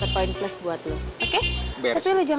dan lo udah dapetin